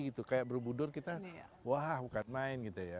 pembicara enam puluh satu kayak brobudur kita wah bukan main gitu ya